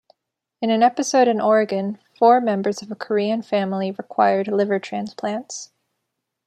In an episode in Oregon, four members of a Korean family required liver transplants.